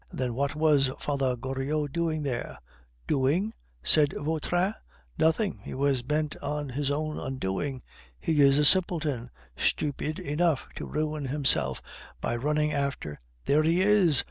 "Then what was Father Goriot doing there?" "Doing?" said Vautrin. "Nothing; he was bent on his own undoing. He is a simpleton, stupid enough to ruin himself by running after " "There he is!"